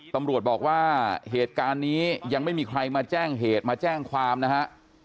ตำรวจบอกว่าเหตุการณ์นี้ยังไม่มีใครมาแจ้งเหตุมาแจ้งความนะฮะ